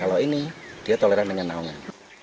kalau ini dia toleran dengan naungan